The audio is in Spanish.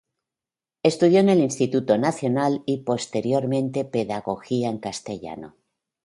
Estudió en el Instituto Nacional y posteriormente pedagogía en castellano.